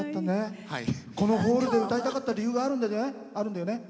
このホールで歌いたかった理由があるんだよね。